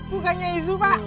bukannya isu pak